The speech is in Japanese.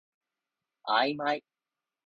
あいまい